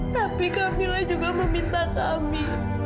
tapi kamilah juga meminta kami